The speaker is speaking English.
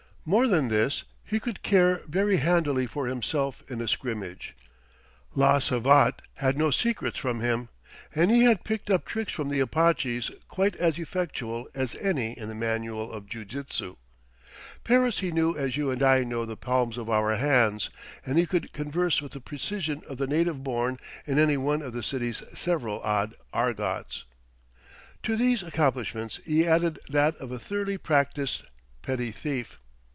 More than this, he could care very handily for himself in a scrimmage: la savate had no secrets from him, and he had picked up tricks from the Apaches quite as effectual as any in the manual of jiu jitsu. Paris he knew as you and I know the palms of our hands, and he could converse with the precision of the native born in any one of the city's several odd argots. To these accomplishments he added that of a thoroughly practised petty thief.